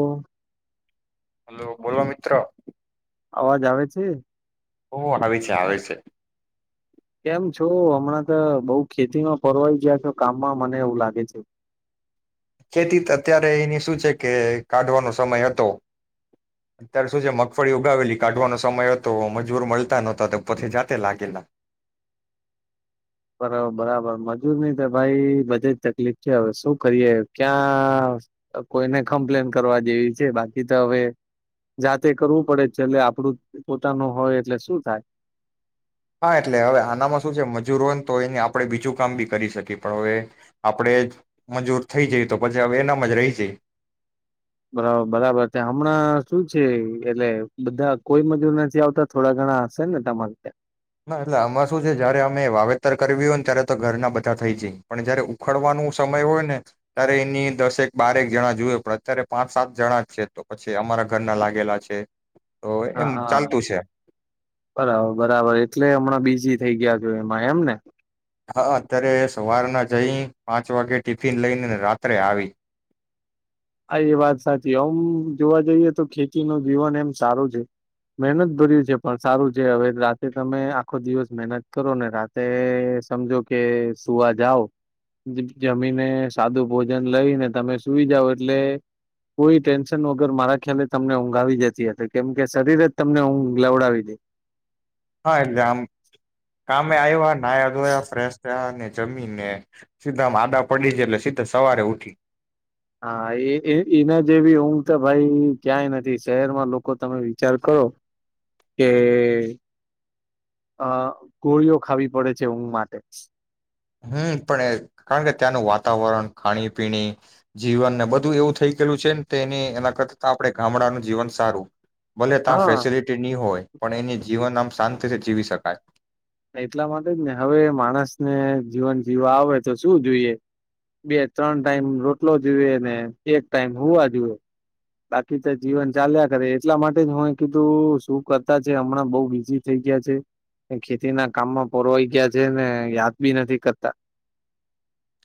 ઓ hello બોલો મિત્ર. અવાજ આવે છે. ઓ આવે છે આવે છે. કેમ છો હમણાં તો બહુ ખેતીમાં ફરવાઈ ગયા છો કામમાં મને એવું લાગે છે. ખેતી અત્યારે એની શું છે કે કાઢવાનો સમય હતો અત્યારે શું છે મગફળી ઉગાવેલી કાઢવાનો સમય હતો મજૂર મળતા નહોતા તો પછ જાતે લાગેલા. બરાબર બરાબર મજૂરની તો ભાઈ બધે જ તકલીફ છે હવે શું કરીએ ક્યાં કોઈને કમ્પ્લેન કરવા જેવી છે બાકી તો હવે જાતે કરવું પડે છેલે આપડું પોતાનું હોય એટલે શું થાય. હા એટલે હવે આનામાં શું છે મજૂર હોય ને તો એને આપણે બીજું કામ બી કરી શકીએ પણ હવે આપણે મજૂર થઈ જઈ તો પછી હવે એનામાં જ રહી જાય. બરાબર બરાબર છે હમણાં શું છે એટલે બધા કોઈ મજૂર નથી આવતા થોડા ઘણા હશે ને તમારે ત્યાં. ના એટલે અમાં શું છે જયારે અમે વાવેતર કર્યું હોય ને ત્યારે તો ઘરના બધા થઈ જાય પણ જયારે ઉખડવાનો સમય હોય ને ત્યારે એની દસેક બારક જણા જોયએ પણ અત્યારે પાંચ સાત જણા છે તો પછી અમારા ઘરના લાગેલા છે. તો એમ હા હા ચાલતું છે બરાબર બરાબર એટલે હમણાં બીજી થઈ ગયા છો એમાં એમ ને? હા અત્યારે સવારના જઈ પાંચ વાગે ટિફિન લઈને રાત્રે આવી. હા એ વાત સાચી આમ જોવા જઈએ તો ખેતી નું જીવન એમ સારું છે, મહેનત ભર્યું છે પણ સારું છે હવે રાતે તમે આખો દિવસ મહેનત કરો ને રાતે સમજો કે સુવા જઓ જમીને સાદું ભોજન લઈને તમે સુઈ જાવ એટલે કોઈ ટેન્શન વગર મારા ખ્યાલે તમને ઊંઘ આવી જતી હતી. કેમ કે શરીર જ તમને ઊંઘ લવડાવી દે. હા એટલે આમ કામે આવ્યો ન નાયા ધોયા ફ્રેશ થયા અને જમીનને સીધા આમ આદા પડી જાય એટલે સીધા સવારે ઉઠી. હા એ એના જેવી ઊંઘ તો ભાઈ ક્યાંય નથી. શહેરમાં લોકો તમે વિચાર કરો કે આ ગોળીઓ ખાવી પડે છે ઊંઘ માટે હમ્મ પણ કારણ કે ત્યાંનું વાતાવરણ, ખાણીપીણી, જીવન બધું એવું થઈ ગયેલું છે ને એ એના કરતા આપણે ગામડાનું જીવન સારું. ભલે ત્યાં હા ફેસિલિટી નહી હોય પણ એની જીવન આમ શાં તી થી જીવી શકાય. એટલા માટે જ ને હવે માણસને જીવન જીવવા આવે તો શું જોઈએ. બે ત્રણ ટાઈમ રોટલો જોઈએ ને એક ટાઈમ હુંવા જોઈએ. બાકી તો જીવન ચાલ્યા કરે. એટલા માટે જ હું કીધું શું કરતા છે, હમણાં બઉ બીઝી થઈ ગયા છે. ખેતીના કામમાં પોરવાઈ ગયા છે ને યાદ બી નથી કરતા.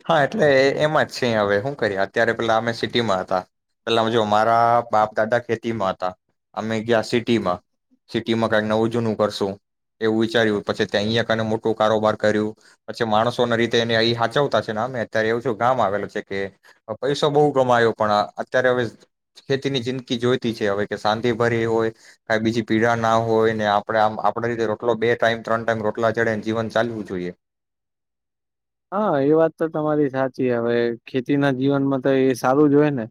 હા એટલે એમાં જ છે હવે શું કરી અત્યારે પેલા અમે સિટીમાં હતા. પેલા જો મારા બાપ દાદા ખેતીમાં હતા અમે ગયા સિટીમાં સિટીમાં કઈ નવું જૂનું કરશું એવું વિચાર્યું પછી ત્યાં અહીંયા કને મોટું કારોબાર કર્યું પછી માણસો ના રીતે એને અહી હાચવતા મે અત્યારે એવું ગામ આવેલું છે કે પૈસો બઉ કમાયો પણ અત્યારે હવે ખેતીની જિંદગી જોઈતી છે. હવે કે શાંતિ ભરી હોય ક બીજી પીડા ના હોય ને આપ આમ આપણે રીતે રોટલો બે ટાઈમ, ત્રણ ટાઈમ રોટલા ચડેને જીવન ચાલવું જોઈએ. હા એ વાત તો તમારી સાચી. હવે ખેતીના જીવનમાં તો એ સારું જ હોય ને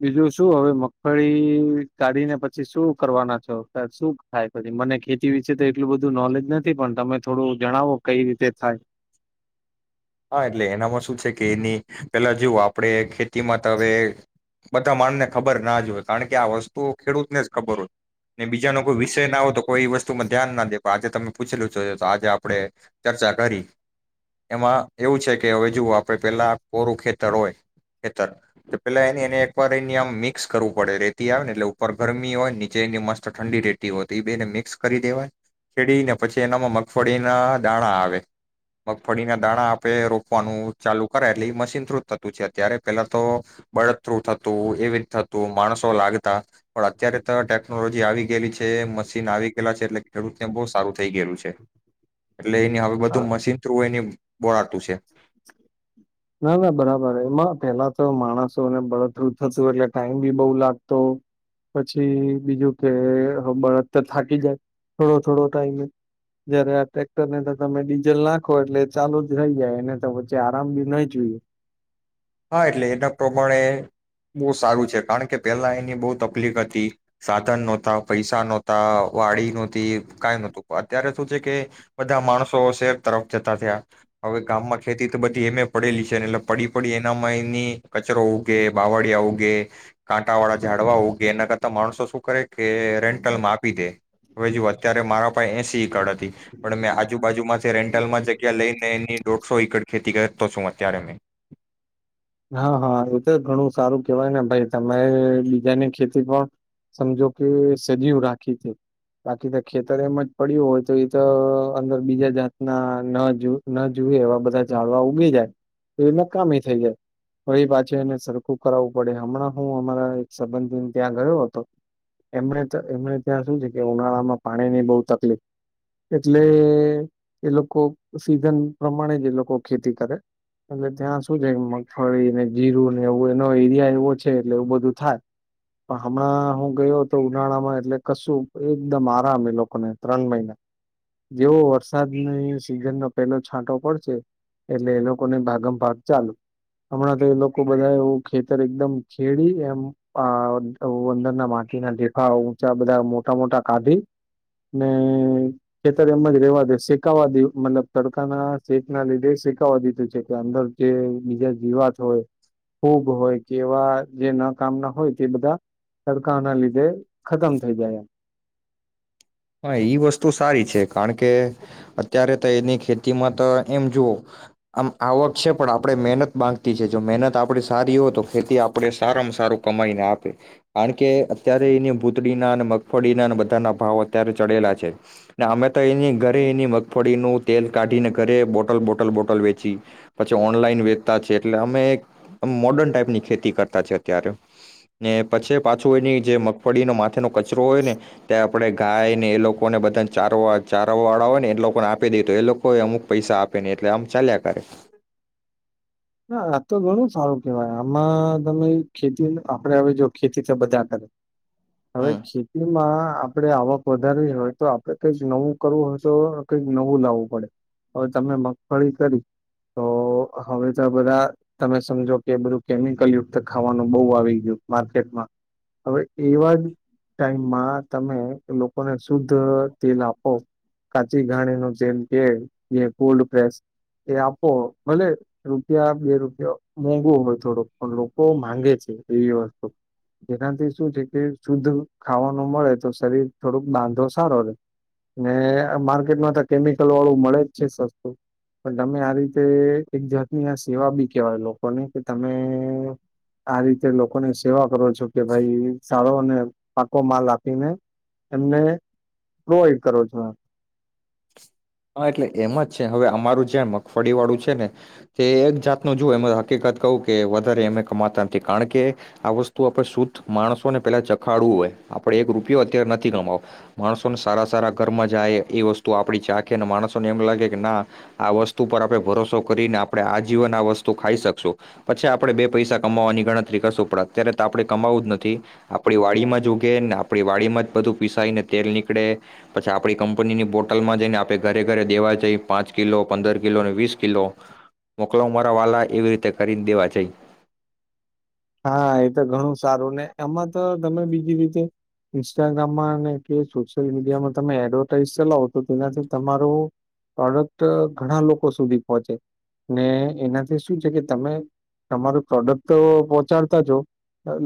બીજું શું હવે મગફળી કાઢીને પછી શું કરવાના છો? શું થાય પછી મને ખેતી વિશે તો એટલું બધું નોલેજ નથી પણ તમે થોડું જણાવો કઈ રીતે થાય? હા એટલે એનામાં શું છે કે એની પેલા જોઓ આપડે ખેતીમાં તો હવે બધા માણને ખબર ના જય કારણ કે આ વસ્તુ ખેડૂતને જ ખબર હોય ને બીજાનો કોઈ વિષય ના હોય તો કોઈ એ વસ્તુમાં ધ્યાન ના દે આજે તમે પૂછેલું છો તો આજે આપણેે ચર્ચા કરી. એમાં એવું છે કે હવે જુઓ આપણે પેલા કોરું ખેતર હોય. ખેતર તો પેલા એને એને એકવાર એને આમ મિક્સ કરવું પડે. રેતી આવે ને એટલે ઉપર ગરમી હોય નીચે એની મસ્ત ઠંડી રેતી હોય તો એ બે એને મિક્સ કરી દેવાય છેેડીને પછી એનામાં મગફળીના દાણા આવે મગફળીના દાણા રોપવાનું ચાલુ કરે એટલે એ મશીન થ્રુ જ થતું છે, અત્યારે પેલા તો બર્ડ થ્રુ થતું એવી જ થતું માણસો લાગતા પણ અત્યારે તો ટેકનોલોજી આવી ગયેલી છે, મશીન આવી ગયેલા છે. એટલે ખેડૂતને બહુ સારું થઈ ગયેલું છે. એટલે એની હવે હા બધું મશીન થ્રુ એની બોળાતું છે. ના ના બરાબર એમાં પેલા તો માણસોને બળતરું થશે એટલે ટાઈમ બી બઉ લાગતો પછી બીજું કે બળદ તો થાકી જાય. થોડો થોડો ટાઈમે જયારે આ ટ્રેક્ટરને તો તમે ડીઝલ નાખો એટલે ચાલુ જ થઈ જાય એને તો વચ્ચે આરામ બી નહી [inaudible] હા, એટલે એના પ્રમાણે બો સારું છે. કારણકે પેલા એની બો તકલીફ હતી, સાધન નતા, પૈસા નતા, વાડી ન તી કઈ નતું. તો અત્યારે શું છે કે બધા માણસો શહેર તરફ જતા થયા, હવે ગામમાં ખેતી તો બધી એમે પડેલી છે ને એટલે પડી પડી એ મની કચરો ઉગે, બાવળિયા ઉગે, કાંટાવાળા ઝાડવા ઉગે, એના કરતા માણસો શું કરે કે રેન્ટલમાં આપી દે. હવે જોવો અત્યારે મારા પાસે એસી કડ પણ મે આજુ બાજુમાંથી રેન્ટલ માં જગ્યા લઈ ને એની ડો રસો એકર ખેતી કરતો છું, અત્યારે. હા, હા, એતો ઘણું સારું કેહેવાય ને ભાઈ તમે બીજાની ખેતી પણ સમજો કે સજીવ રાખી છે, બાકી તો ખેતર એમ જ પડ્યું હોય તો એતો અંદર બીજા જાતના ન ન જુએ એવા બધા ઝળવા ઉગી જાય, તો એ નકામી થઈ જાય. ફરીપાછુ એને સરખું કરાવવું પડે. હમણાં હું અમારા એક સંબંધી ત્યાં ગયો હતો, એમણે એમને ત્યાં શું છે કે ઉનાળામાં પાણી ની બહુ તકલીફ એટલે એ લોકો સીઝન પ્રમાણેજ એ લોકો ખેતી કરે, એટલે ત્યાં શું છે ફળી ને જીરું ને એવું એનો એરિયા એવો છે એટલે એવું બધું થાય, પણ હમણાં હું ગયો તો ઉનાળામાં એટલે કશું એકદમ આરામ એ લોકોને ત્રણ મહિના. જેવો વરસાદની સિઝનનો પેલો છાંટો પડશે એટલે એ લોકોને ભાગમ ભાગ ચાલુ. હમણાં તો એ લોકો બધા ખેતર એકદમ ખેડી એમ આ અંદરના માટીના ડઢેફા ઊંચા બધા મોટા મોટા કાઢી, ને ખેતર એમ જ રેવા દ શેકાવા દ મતલબ તડકાના શેક ના લીધે શેકાવા દીધું છે, કે અંદર જે બીજા જીવાત હોય, ફુગ હોય કે એવા જે ન કામના હોય, તે બધા તડકા ના લીધે ખતમ થઈ જાય. હા, ઈ વસ્તુ સારી છે. કારણકે, અત્યારે ત્યની ખેતીમાં તો એમ જુઓ આમ આવક છે, પણ આપણે મહેનત માંગતી છે જો મહેનત આપડી સારી હોય, તો ખેતી આપણે સારામાં સારું કમાઈને આપે, કારણકે અત્યારે એની ભૂતડીના અને મગફળીના અને બધાના ભાવ અત્યારે ચડેલા છે ને અમે તો એની ઘરે એની મગફળીનું તેલ કાઢીને ઘરે બોટલ બોટલ બોટલ વેચી, પછી ઓનલાઈન વેચતા છે એટલે અમે મોર્ડન ટાઈપની ખેતી કરતા છે અત્યારે, ને પછી પાછું એની જે મગફળીનો માથેનો કચરો હોય ને ત્યાં ગાય ને એ લોકોને બધાને ચારો ચારો વાળા હોય ને એ લોકો ને આપી દે તો, એ લોકો એ અમુક પૈસા આપે ને એટલે આમ ચાલ્યા કરે. [inaudible] હા, આતો ઘણું સારું કેવાય. આમાં તમે ખેતી આપડે, અવે જો ખેતી તો બધા કરે હવે હમ ખેતીમાં આપણેે આવક વધારવી હોય, તો આપડે કંઈક નવું કરવું હોય તો, કંઈક નવું લાવવું પડે. હવે તમે મગફળી કરી, તો હવે હવે બધા, તમે સમજો કે બધું કેમિકલ યુક્ત ખાવાનું બહુ આવી ગ્યું માર્કેટમાં. હવે એવા જ ટાઈમમાં તમે લોકોને શુદ્ધ તેલ આપો, કાચી ઘાણીનું તેલ કે જે કોલ્ડ પ્રેસ એ આપો. ભલે રુપિયા બે રૂપિયો મોંઘો હોય થોડોક, પણ લોકો માંગે છે એવી વસ્તુ. જેનાથી શું છે, કે શુદ્ધ ખાવાનું મળે, તો શરીર થોડુંક બાંધો સારો રહેે. ને માર્કેટમાં તો કેમિકલ વાળું મળે જ છે સસ્તું. પણ તમે આ રીતે એક જા તની આ સેવા બી કેવાય લોકોની, કે તમે આ રીતે લોકોની સેવા કરો છો કે ભાઈ સાળો અને પાકો માલ આપીને, એમને પ્રોવાઈડ કરો છો એમ. હા એટલે એમ જ છે. હવે અમારું જ્યાં મગફળી વાળું છે ને, તે એક જાતનું જો એ હકીકત કહું કે વધારે એમે કમાતા નથી, કારણ કે આ વસ્તુ આપણે શુદ્ધ માણસોને પેલા ચખાડવું હોય, આપડે એક રૂપિયો અત્યારે નથી કમાવો. માણસોને સારા સારા ઘરમાં જાય એ વસ્તુ તુ આપણી ચાખે અને માણસોને એમ લાગે કે ના આ વસ્તુ પર આપણે ભરોસો કરીને આપણે આજીવન આ વસ્તુ ખાઈ શકશું. પછી આપણે બે પૈસા કમાવવાની ગણતરી કરશું, પણ અત્યારે તો આપણે કમાવું જ નથી. આપણી વાડીમાં જ ઉગે ને આપણી વાડીમાં જ બધું પીસાઈને તેલ નીકળે, પછી આપણી કંપનીની બોટ બોટલમાં જઈને આપે ઘરે ઘરે દેવા જઈ. પાંચ કિલો, પંદર કિલો, વીસ કિલો, મોકલાવુ મારા વાલા, એવી રીતે કરીન દેવા જઈએ. હા, એ તો ઘણું સારું ને. એમાં તો તમે બીજી રીતે ઇન્સ્ટાગ્રામમાં ને કે સોશિયલ મીડિયામાં તમે એડવર્ટાઈઝ ચલાવો, તો તેનાથી તમારો પ્રોડક્ટ ઘણા લોકો સુધી પહોંચે. ને એનાથી શું છે કે તમે તમારું પ્રોડક્ટ પો ચાડતા જો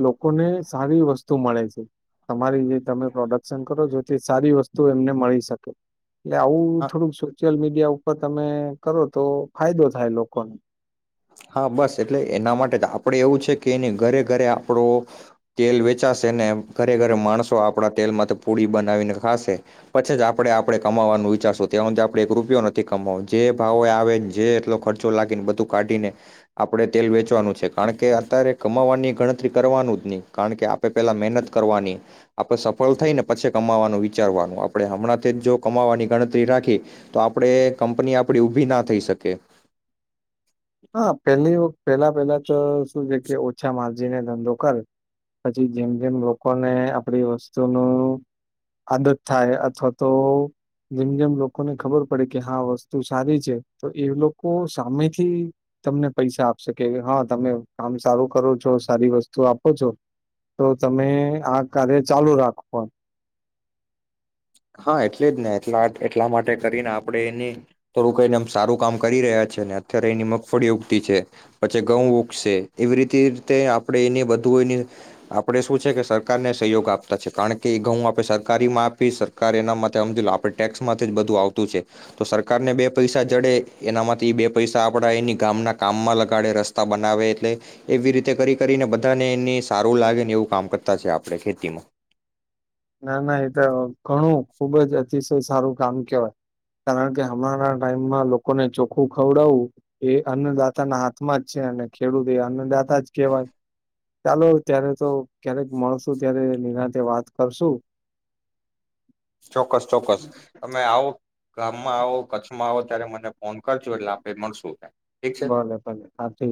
લોકોને સારી વસ્તુ મળે છે. તમારી જે તમે પ્રોડક્શન કરો છો, તે સારી વસ્તુ એમને મળી શકે. એટલે આવું હા થોડુંક સોશિયલ મીડિયા મિડીયા ઉપર તમે કરો, તો ફાયદો થાય લોકોને. હા બસ, એટલે એના માટે જ. આપડે એવું છે કે એની ઘરે ઘરે આપણો તેલ વેચાશેને ઘરે ઘરે માણસો આપણા તેલ માંતે પુડી બનાવીને ખાશે. પછી જ આપડે આપડે કમાવાનું વિચારશું. ત્યાં હુધી આપડે એક રૂપિયો નથી કમાવ જે ભાવો આવે જે એટલો ખર્ચો લાગીને બધું કાઢીને આપણે તેલ વેચવાનું છ. કારણ કે અત્યારે કમાવાની ગણતરી કરવાનું જ નહી. કારણ કે આપે પેલા મહેનત કરવાની, આપે સફળ થઈ ને પછી કમાવાનું વિચારવાનું. આપણે હમણાં જ જો કમાવાની ગણતરી રાખી તો આપણે કંપની આપણી ઊભી ના થઈ શકે. હા પેલી વત પહેલા પહેલા તો શું છે કે ઓછા માર્જીને ધંધો કરે. પછી જેમ જેમ લોકોને આપડી વસ્તુનું આદત થાય, અથવા તો જેમ જેમ લોકોને ખબર પડે કે હા વસ્તુ સારી છે, તો એ લોકો સામેથી તમને પૈસા આપશેકે, હા તમે કામ સારું કરો છો, સારી વસ્તુ આપો છો, તો તમે આ કાર્ય ચાલુ રાખો હા એટલે જ ને. એટલા એટલા માટે કરીને આપણે એની થોડું કહીને એમ સારું કામ કરી રહ્યા છે. ને અત્યારે એની મગફળી ઉગતી છે, પછી ઘઉં ઊગશે. એવી રીતે રીતે આપણે એને બધું એની આપણે શું છે કે સરકારને સહયોગ આપતા છે, કારણ કે એ ઘઉં આપણે સરકારીમાં આપીએ, સર કાર એના માટે હમજી લો, આપણે ટેક્સ માંથી જ બધું આવતું છે. તો સરકારને બે પૈસા જડે એનામાંથી એ બે પૈસા આપડા એની ગામના કામમાં લગાડે રસ્તા બનાવે. એટલે એવી રીતે કરી કરીને બધાને એ સારું લાગે ને એવું કામ કરતા છે આપણે, ખેતીમાં. ના ના, એ તો ઘણું ખુબ જ અતિશય સારું કામ કેવાય. કારણકે હમણાંના ટાઈમમાં લોકોને ચોખ્ખું ખવડાવું એ અન્નદાતાના હાથમાં જ છે. અને ખેડૂત એ અન્નદાતા જ કેહેવાય. ચાલો ત્યારે તો ક્યારેક મળશું ત્યારે નિરાંતે વાત કરશું. ચોક્કસ ચોક્કસ તમે આવો ગામમાં આવો, કચ્છમાં આવો ત્યારે મને ફોન કરજો એટલે આપે મળશું. ઠીક છે? ભલે ભલે હા ઠીક